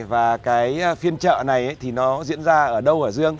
và cái phiên trợ này thì nó diễn ra ở đâu ở dương